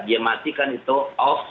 dia matikan itu off